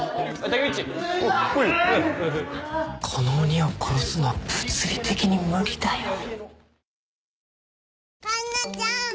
この鬼を殺すのは物理的に無理だよ。